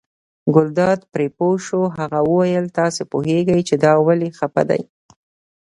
ګلداد پرې پوه شو، هغه وویل تاسې پوهېږئ چې دا ولې خپه دی.